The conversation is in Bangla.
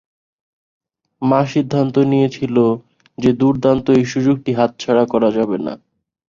মা সিদ্ধান্ত নিয়েছিল যে দুর্দান্ত এই সুযোগটি হাতছাড়া করা যাবে না।